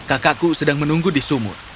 kakakku sedang menunggu di sumur